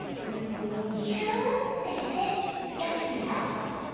ぎゅーってして、よしよし！